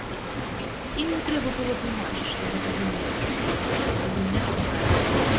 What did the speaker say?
Ім не трэба было тлумачыць, што гэта гульня, але гульня сакральная.